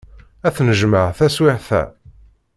Ad t-nejmeɛ taswiɛt-a.